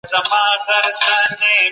فشار د راتلونکي په اړه ویره زیاتوي.